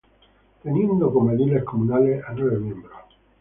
Teniendo como ediles comunales a nueve miembros.